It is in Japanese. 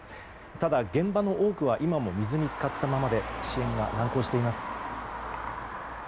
ただ、現場の多くは今も水に浸かったままで支援は難航しています。